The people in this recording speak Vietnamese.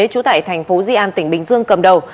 trú tại thành phố di an tỉnh bình dương cầm đầu